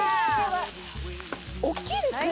大きいですね